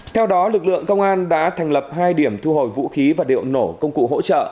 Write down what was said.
theo đó lực lượng công an đã thành lập hai điểm thu hồi vũ khí và liệu nổ công cụ hỗ trợ